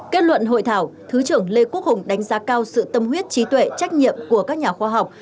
kết luận hội thảo thứ trưởng lê quốc hùng đánh giá cao sự tâm huyết trí tuệ trách nhiệm của các nhà khoa học